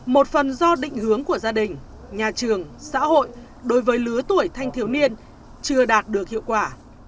một phần do định hướng của gia đình nhà trường xã hội đối với lứa tuổi thanh thiếu niên chưa đạt được hiệu quả